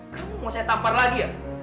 kamu mau saya tampar lagi ya